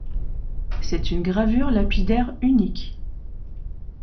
C'est une gravure lapidaire unique.